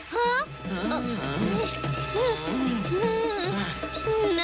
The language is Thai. ฮึน้า